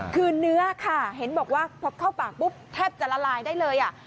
คือเนื้อค่ะเห็นบอกว่าพอเข้าปากปุ๊บแทบจะละลายได้เลย